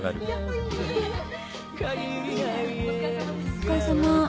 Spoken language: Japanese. お疲れさまです。